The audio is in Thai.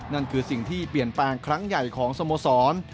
นั่นคือสิ่งที่เปลี่ยนแปลงครั้งใหญ่ของสโมสร